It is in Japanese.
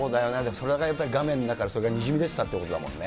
それがやっぱり画面の中にそれがにじみ出てたってことだもんね。